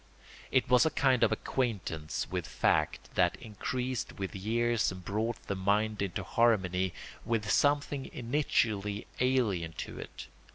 It was a kind of acquaintance with fact that increased with years and brought the mind into harmony with something initially alien to it.